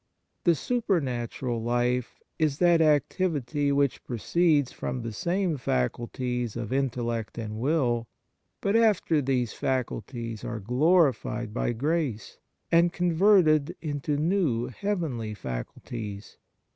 The supernatural life is that activity which proceeds from the same faculties of intellect and will ; but after these facul ties are glorified by grace, and converted into new heavenly faculties.